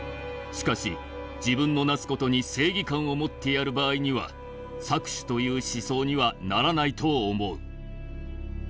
しかし自分のなす事に正義感を持ってやる場合には搾取という思想にはならないと思う。